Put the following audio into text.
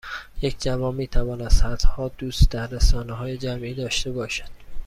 یک جوان میتواند صدها دوست در رسانههای جمعی داشته باشد